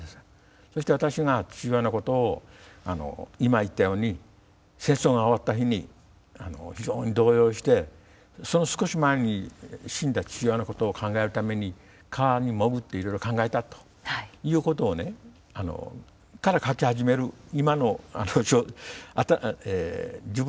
そして私が父親のことを今言ったように戦争が終わった日に非常に動揺してその少し前に死んだ父親のことを考えるために川に潜っていろいろ考えたということをねから書き始める今の自分の小説